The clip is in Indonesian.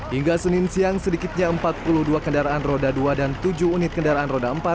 hingga senin siang sedikitnya empat puluh dua kendaraan roda dua dan tujuh unit kendaraan roda empat